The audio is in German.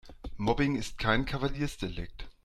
Mobbing ist kein Kavaliersdelikt.